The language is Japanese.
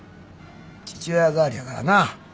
父親代わりやからなあ。